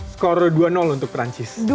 skor dua untuk perancis